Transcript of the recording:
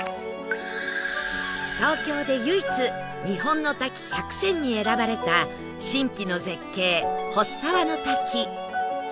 東京で唯一日本の滝１００選に選ばれた神秘の絶景払沢の滝